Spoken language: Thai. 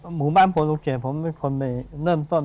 หมู่บ้านโปรตูเกตผมเป็นคนไปเริ่มต้น